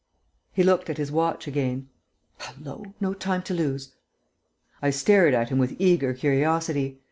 He looked at his watch again: "Hullo! No time to lose!" I stared at him with eager curiosity.